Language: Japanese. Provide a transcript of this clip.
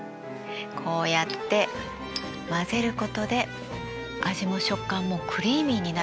こうやって混ぜることで味も食感もクリーミーになるんです。